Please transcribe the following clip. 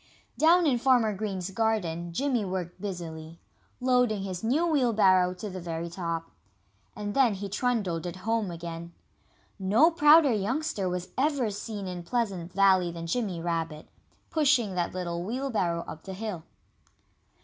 Down in Farmer Green's garden Jimmy worked busily, loading his new wheelbarrow to the very top. And then he trundled it home again. No prouder youngster was ever seen in Pleasant Valley than Jimmy Rabbit, pushing that little wheelbarrow up the hill.